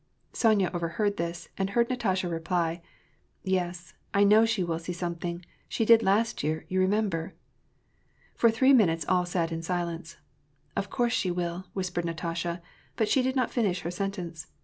Sonya overheard this, and heard Natasha reply, —" Yes, I know she will see something ; she did last year, you remember." For three minutes all sat in silence. "Of course she will" — whispered Natasha^ but she did not finish her sen tence.